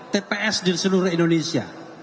tps di seluruh indonesia